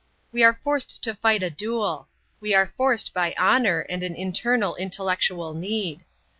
We are forced to fight a duel. We are forced by honour and an internal intellectual need.